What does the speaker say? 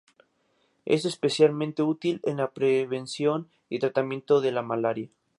Es especialmente útil en la prevención y tratamiento de la malaria.